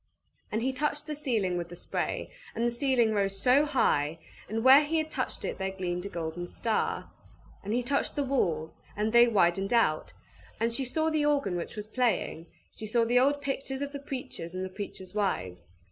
And he touched the ceiling with the spray, and the ceiling rose so high, and where he had touched it there gleamed a golden star. And he touched the walls, and they widened out, and she saw the organ which was playing; she saw the old pictures of the preachers and the preachers' wives.